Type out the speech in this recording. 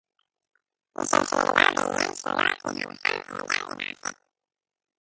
משום שמדובר בעניין שהוא לא רק להלכה אלא גם למעשה